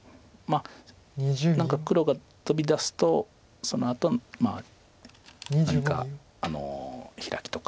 何か黒が飛び出すとそのあと何かヒラキとか。